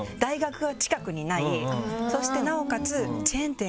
そしてなおかつ。